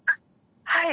はい。